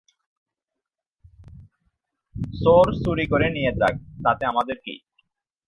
চোর চুরি করে নিয়ে যাক, তাতে আমাদের কী?